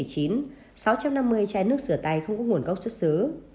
sáu trăm năm mươi chai nước rửa tay không có nguồn gốc xuất xứ